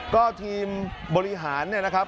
ก็ทีมบริหารเนี่ยนะครับ